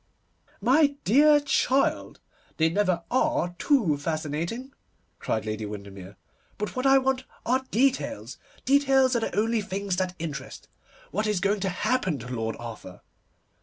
'My dear child, they never are too fascinating,' cried Lady Windermere. 'But what I want are details. Details are the only things that interest. What is going to happen to Lord Arthur?